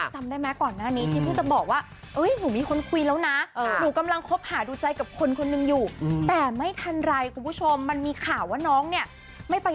ที่จะพูดจำได้มั้ยก่อนหน้านี้